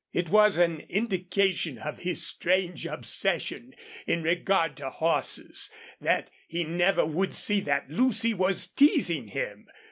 It was an indication of his strange obsession, in regard to horses, that he never would see that Lucy was teasing him.